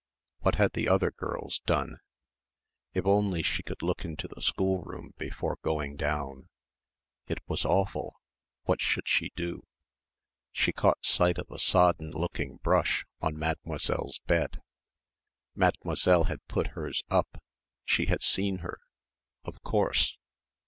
What had the other girls done? If only she could look into the schoolroom before going down it was awful what should she do?... She caught sight of a sodden looking brush on Mademoiselle's bed. Mademoiselle had put hers up she had seen her ... of course